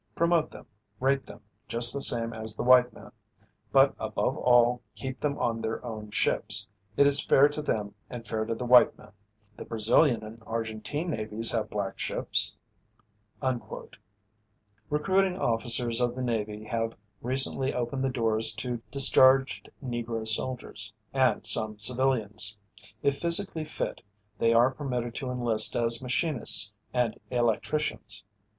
Promote them, rate them, just the same as the white man. But above all keep them on their own ships. It is fair to them and fair to the white men. The Brazilian and Argentine navies have 'black ships.'" Recruiting officers of the Navy have recently opened the doors to discharged Negro soldiers, and some civilians. If physically fit they are permitted to enlist as machinists and electricians.